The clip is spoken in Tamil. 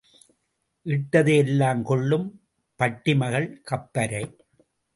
இட்டது எல்லாம் கொள்ளும் பட்டி மகள் கப்பரை.